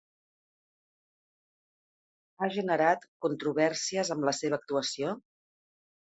Ha generat controvèrsies amb la seva actuació?